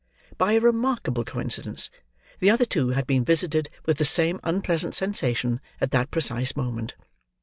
By a remarkable coincidence, the other two had been visited with the same unpleasant sensation at that precise moment.